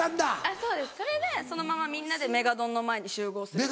そうですそれでそのままみんなでメガドンの前で集合する。